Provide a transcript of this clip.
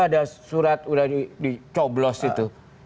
ada surat udah dicoplos gitu